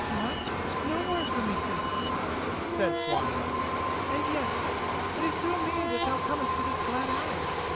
"What! no word for me, sister?" said Swanhild. "And yet it is through me that thou comest to this glad hour.